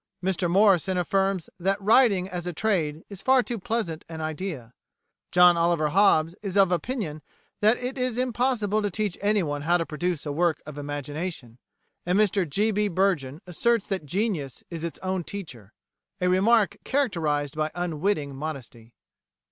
Mr Morrison affirms that writing as a trade is far too pleasant an idea; John Oliver Hobbes is of opinion that it is impossible to teach anyone how to produce a work of imagination; and Mr G. B. Burgin asserts that genius is its own teacher a remark characterised by unwitting modesty.